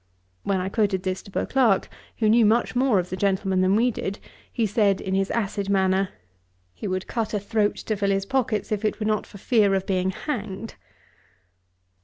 When I quoted this to Beauclerk, who knew much more of the gentleman than we did, he said, in his acid manner, 'He would cut a throat to fill his pockets, if it were not for fear of being hanged.'